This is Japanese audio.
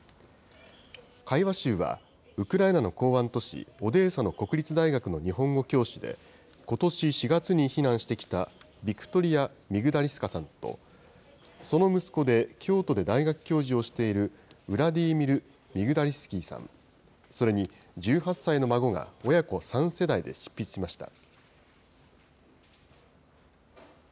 会話集は、ウクライナの港湾都市、オデーサの国立大学の日本語教師で、ことし４月に避難してきた、ビクトリア・ミグダリスカさんと、その息子で、京都で大学教授をしているウラディーミル・ミグダリスキーさん、それに、１８歳の孫が親子３世代で執筆しました。